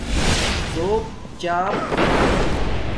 څݸپ چھاپ